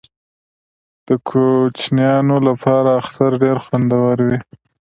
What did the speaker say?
د کوچنیانو لپاره اختر ډیر خوندور وي.